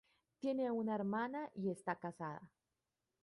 Tiene una Hermana y está casada.